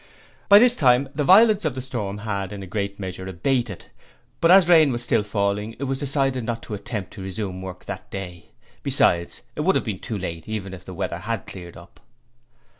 By this time the violence of the storm had in a great measure abated, but as rain was still falling it was decided not to attempt to resume work that day. Besides, it would have been too late, even if the weather had cleared up.